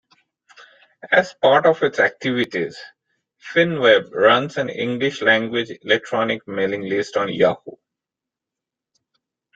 As part of its activities, pHinnWeb runs an English-language electronic mailing list on Yahoo!